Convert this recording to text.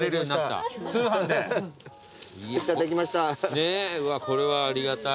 ねぇうわこれはありがたい。